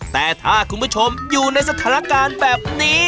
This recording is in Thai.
แต่ถ้าคุณผู้ชมอยู่ในสถานการณ์แบบนี้